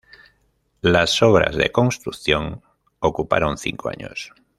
Las obras de construcción ocuparon cinco años.